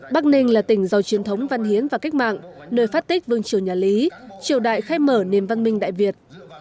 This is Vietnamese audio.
bắc ninh là tỉnh giàu truyền thống văn hiến và cách mạng nơi phát tích vương triều nhà lý triều đại khai mở niềm văn minh đại việt